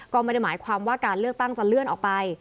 ก็ไม่ได้หมายความว่าการเลือกตั้งจะเลื่อนออกไป